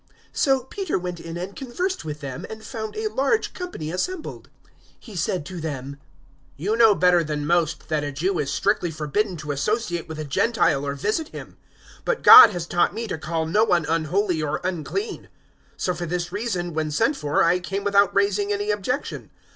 010:027 So Peter went in and conversed with him, and found a large company assembled. 010:028 He said to them, "You know better than most that a Jew is strictly forbidden to associate with a Gentile or visit him; but God has taught me to call no one unholy or unclean. 010:029 So for this reason, when sent for, I came without raising any objection.